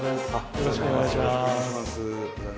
よろしくお願いします。